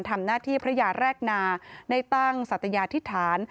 ทำหน้าที่พระยาแรกนาได้ตั้งศัตรยาทิฐาน